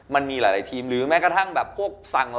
มันมีหลายทีมหรือแม้กระทั่งแบบพวกสั่ง